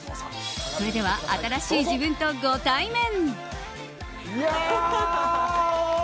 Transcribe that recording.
それでは新しい自分とご対面。